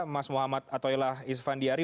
mas muhammad atoilah isfandiari